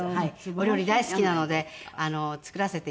お料理大好きなので作らせていただいて。